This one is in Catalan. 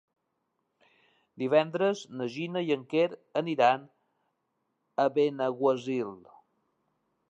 Divendres na Gina i en Quer aniran a Benaguasil.